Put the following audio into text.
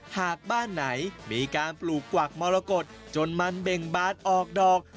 หากบ้านไหนมีการปลูกกวักมรกฏจนมันเบ่งบานออกดอก